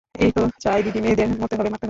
এই তো চাই দিদি, মেয়েদেরও মরতে হবে, মারতে হবে।